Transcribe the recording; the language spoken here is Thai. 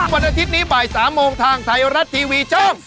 วันอาทิตย์นี้บ่าย๓โมงทางไทยรัฐทีวีช่อง๓